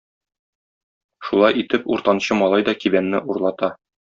Шулай итеп, уртанчы малай да кибәнне урлата.